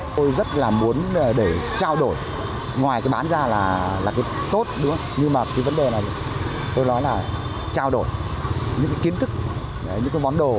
tôi rất là muốn để trao đổi ngoài cái bán ra là cái tốt nữa nhưng mà cái vấn đề này tôi nói là trao đổi những cái kiến thức những cái món đồ